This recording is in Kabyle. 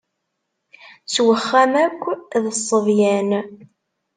S uxxam akk d ṣṣebyan.